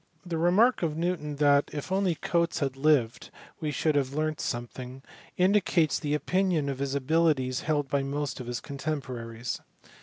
Tin remark of Newton that if only Cotes had lived " we should have learnt some thing" indicates the opinion of his abilities held by most of his contemporaries.